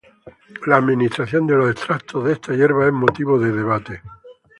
La administración de los extractos de esta hierba es motivo de debate.